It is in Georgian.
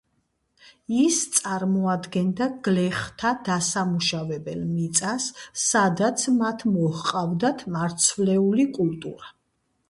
ის წარმოადგენდა გლეხთა დასამუშავებელ მიწას, სადაც მათ მოჰყავდათ მარცვლეული კულტურა.